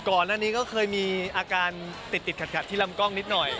ก่อนหน้านี้ก็เคยมีอาการติดขัดที่ลำกล้องนิดหน่อย